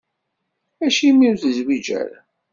Acimi ur tezwiǧ ara?